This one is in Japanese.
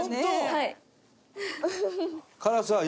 はい。